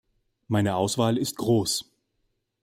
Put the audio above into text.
Meine Auswahl ist groß.